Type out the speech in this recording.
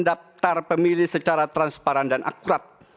daftar pemilih secara transparan dan akurat